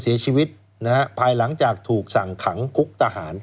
เสียชีวิตนะฮะภายหลังจากถูกสั่งขังคุกทหาร